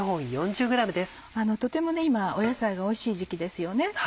とても今野菜がおいしい時期ですよね。